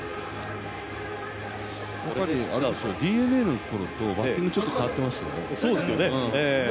ＤｅＮＡのころとバッティング変わっていますよね。